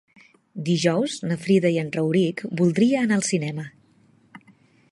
Dijous na Frida i en Rauric voldria anar al cinema.